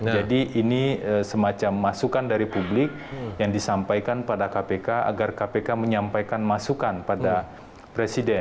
jadi ini semacam masukan dari publik yang disampaikan pada kpk agar kpk menyampaikan masukan pada presiden